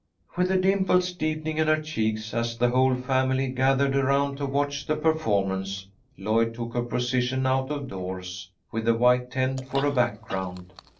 With the dimples deepening in her cheeks as the whole family gathered around to watch the performance, Lloyd took her position out of doors, with the white tent for a background.